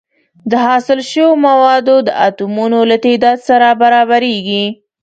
د حاصل شوو موادو د اتومونو له تعداد سره برابریږي.